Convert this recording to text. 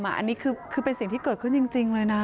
อันนี้คือเป็นสิ่งที่เกิดขึ้นจริงเลยนะ